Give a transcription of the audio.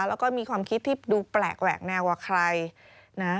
แล้วก็มีความคิดที่ดูแปลกแหวกแนวว่าใครนะ